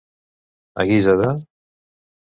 A guisa de.